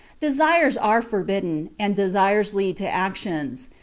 Desires are forbidden, and desires lead to actions.